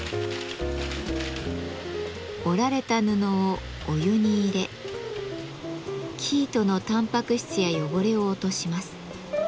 織られた布をお湯に入れ生糸のたんぱく質や汚れを落とします。